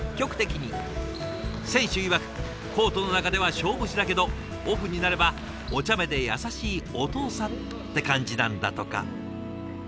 選手いわくコートの中では勝負師だけどオフになればおちゃめで優しいお父さんって感じなんだとか。